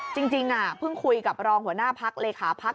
จริงเพิ่งคุยกับรองหัวหน้าพักเลขาพัก